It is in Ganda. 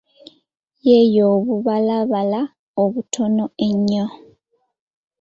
Ye y'obubalabala obutono ennyo.